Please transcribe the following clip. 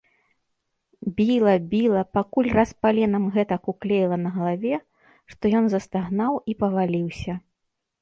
Біла, біла, пакуль раз паленам гэтак уклеіла на галаве, што ён застагнаў і паваліўся.